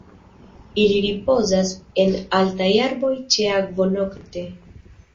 Ili ripozas en altaj arboj ĉe akvo nokte.